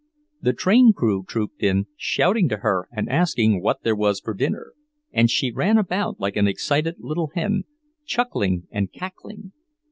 The train crew trooped in, shouting to her and asking what there was for dinner, and she ran about like an excited little hen, chuckling and cackling.